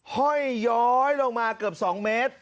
ห้อยย้อยลงมาเกือบ๒เมตร